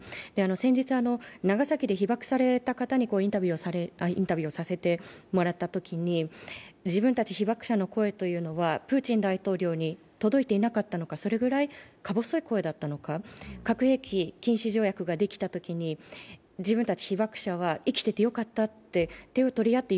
先日、長崎で被爆された方にインタビューをさせてもらったときに自分たち被爆者の声というのはプーチン大統領に届いていなかったのか、それぐらい、か細い声だったのか、核兵器禁止条約ができたときに自分たち被爆者は生きててよかったって手を取り合って